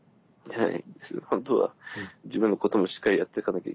はい。